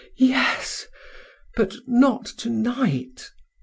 "Yes; but not to night.